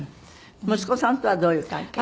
息子さんとはどういう関係？